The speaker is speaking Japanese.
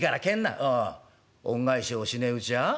おお恩返しをしねえうちは？